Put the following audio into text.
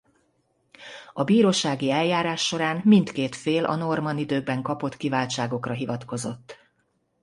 A bírósági eljárás során mindkét fél a normann időkben kapott kiváltságokra hivatkozott.